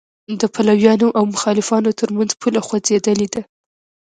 د پلویانو او مخالفانو تر منځ پوله خوځېدلې ده.